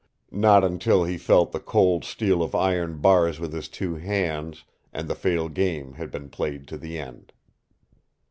Not until he felt the cold steel of iron bars with his two hands, and the fatal game had been played to the end.